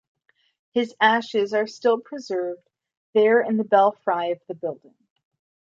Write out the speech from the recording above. His ashes are still preserved there in the belfry of the building.